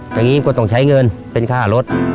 อย่างนี้ก็ต้องใช้เงินเป็นค่ารถ